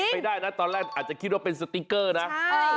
ไม่ได้นะตอนแรกอาจจะคิดว่าเป็นสติ๊กเกอร์นะ